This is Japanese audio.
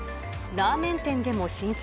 ラーメン店でも浸水。